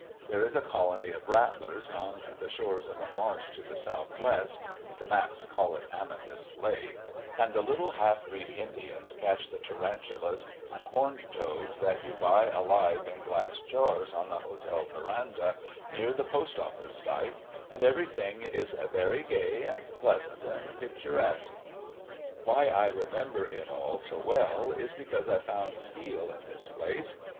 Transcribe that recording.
There is a colony of rattlers on the shores of a marsh to the southwest (the maps call it Amethyst Lake) and the little half breed Indians catch the tarantulas and horned toads that you buy alive in glass jars on the hotel veranda, near the postoffice site, and everything is very gay and pleasant and picturesque. Why I remember it all so well is because I found Steele in this place.